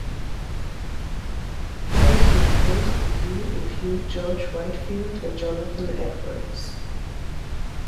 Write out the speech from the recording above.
Those who opposed the view include George Whitefield and Jonathan Edwards.